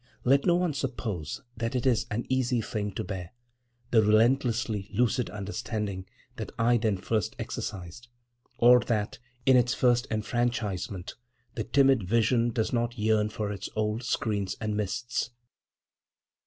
Let no one suppose that it is an easy thing to bear, the relentlessly lucid understanding that I then first exercised; or that, in its first enfranchisement, the timid vision does not yearn for its old screens and mists.